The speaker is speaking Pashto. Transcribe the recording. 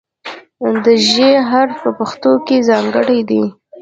د "ژ" حرف په پښتو کې ځانګړی دی.